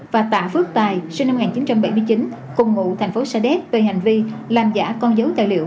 và tạ phước tài sinh năm một nghìn chín trăm bảy mươi chín cùng ngụ thành phố sa đéc về hành vi làm giả con dấu tài liệu